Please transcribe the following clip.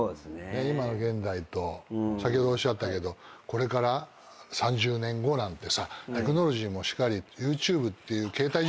今の現代と先ほどおっしゃったけどこれから３０年後なんてさテクノロジーもしかり。